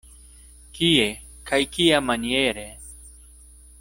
Kie kaj kiamaniere?